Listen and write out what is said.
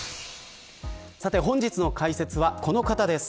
さて、本日の解説はこの方です。